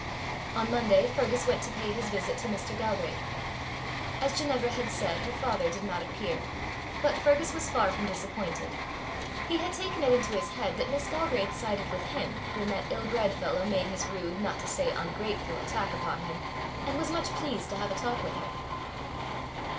On Monday Fergus went to pay his visit to Mr. Galbraith. As Ginevra had said, her father did not appear, but Fergus was far from disappointed. He had taken it into his head that Miss Galbraith sided with him when that ill bred fellow made his rude, not to say ungrateful, attack upon him, and was much pleased to have a talk with her.